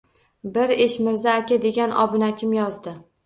Bir Eshmirza aka degan obunachim yozdi: